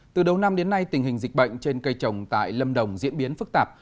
từ đầu năm đến nay tình hình dịch bệnh trên cây trồng tại lâm đồng diễn biến phức tạp